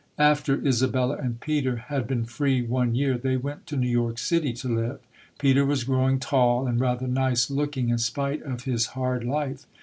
After Isabella and Peter had been free one year they went to Xew York City to live. Peter was growing tall and rather nice look ing, in spite of his hard life.